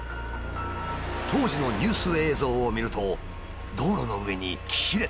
当時のニュース映像を見ると道路の上に切れた電線が。